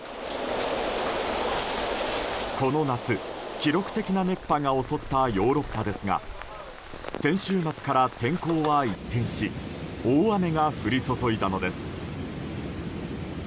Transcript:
この夏、記録的な熱波が襲ったヨーロッパですが先週末から天候は一変し大雨が降り注いだのです。